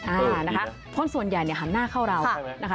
อ่านะคะเพราะส่วนใหญ่เนี่ยหันหน้าเข้าเรานะคะ